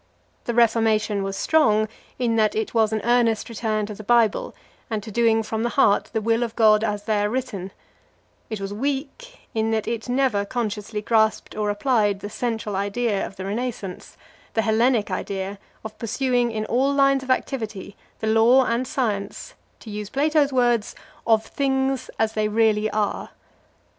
The Reformation was strong, in that it was an earnest return to the Bible and to doing from the heart the will of God as there written; it was weak, in that it never consciously grasped or applied the central idea of the Renascence, the Hellenic idea of pursuing, in all lines of activity, the law and science, to use Plato's words, of things as they really are.